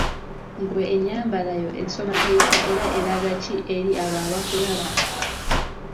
Ggwe ennyambala yo esoma etya oba eraga ki eri abo abakulaba?